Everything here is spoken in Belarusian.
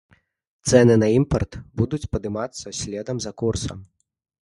Цэны на імпарт будуць падымацца следам за курсам.